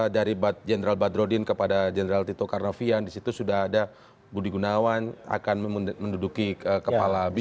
dari jenderal badrodin kepada jenderal tito karnavian disitu sudah ada budi gunawan akan menduduki kepala bin